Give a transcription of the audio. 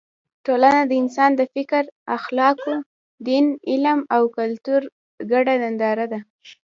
ټولنه د انسان د فکر، اخلاقو، دین، علم او کلتور ګډه ننداره ده.